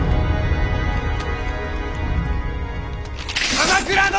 鎌倉殿！